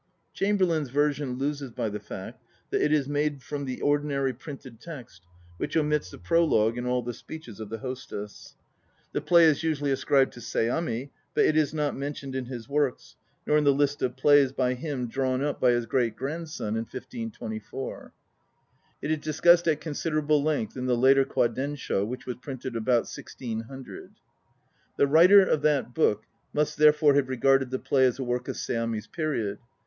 Chamberlain's version loses by the fact that it is made from the ordinary printed text which omits the prologue and all the speeches of the hostess. The play is usually attributed to Seami, but it is not mentioned in his Works, nor in the list of plays by him drawn up by his great grandson in 1524. It is discussed at considerable length in the Later Kwadensho, whi< h was printed c. 1600. The writer of that book must therefore have regarded the play as a work of Seami's period.